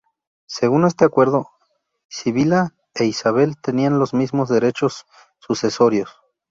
Según este acuerdo, Sibila e Isabel tenían los mismos derechos sucesorios.